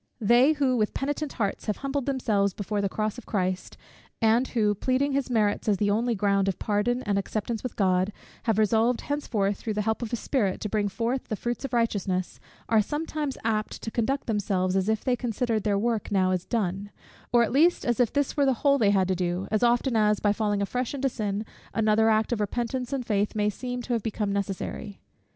They who, with penitent hearts, have humbled themselves before the cross of Christ; and who, pleading his merits as their only ground of pardon and acceptance with God, have resolved henceforth, through the help of his Spirit, to bring forth the fruits of righteousness, are sometimes apt to conduct themselves as if they considered their work as now done; or at least as if this were the whole they had to do, as often as, by falling afresh into sin, another act of repentance and faith may seem to have become necessary.